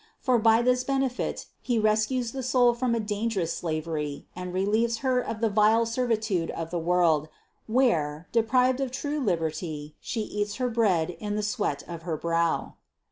For by this benefit He rescues the soul from a dangerous slavery and relieves her of the vile servitude of the world, where, deprived of true liberty, she eats her bread in the sweat of her brow.